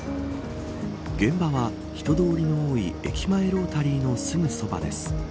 現場は、人通りの多い駅前ロータリーのすぐそばです。